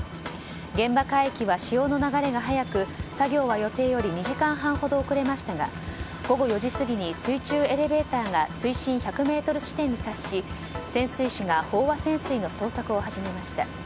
現場海域は潮の流れが速く作業は予定より２時間半ほど遅れましたが午後４時過ぎに水中エレベーターが水深１００ｍ地点に達し潜水士が飽和潜水の詮索を始めました。